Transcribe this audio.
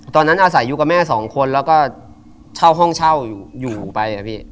ตอนนั้นอาศัยอยู่กับแม่สองคนแล้วก็เช่าห้องเช่าอยู่ไปอะพี่